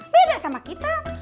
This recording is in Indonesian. beda sama kita